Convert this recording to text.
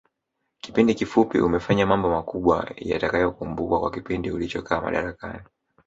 Kipindi kifupi umefanya mambo makubwa yatakayokumbukwa kwa kipindi ulichokaa madarakani